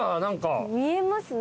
見えますね。